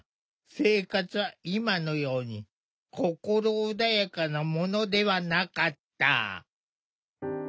生活は今のように心穏やかなものではなかった。